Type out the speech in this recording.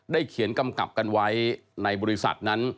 เขียนกำกับกันไว้ในบริษัทนั้น